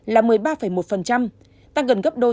là một mươi ba một tăng gần gấp đôi